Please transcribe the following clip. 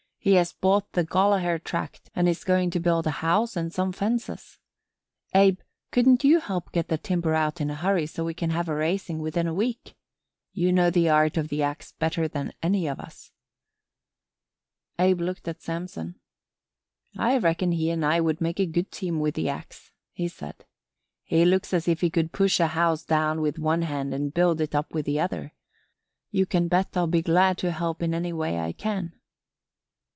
He has bought the Gollaher tract and is going to build a house and some fences. Abe, couldn't you help get the timber out in a hurry so we can have a raising within a week? You know the art of the ax better than any of us." Abe looked at Samson. "I reckon he and I would make a good team with the ax," he said. "He looks as if he could push a house down with one hand and build it up with the other. You can bet I'll be glad to help in any way I can."